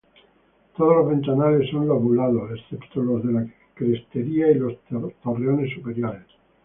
Todos los ventanales son lobulados, excepto los de la crestería y los torreones superiores.